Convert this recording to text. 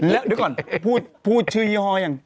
แล้วเดี๋ยวก่อนพูดชื่อยี่ห้อยัง